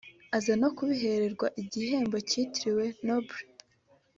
aza no kubihererwa igihembo cyitiriwe Nobel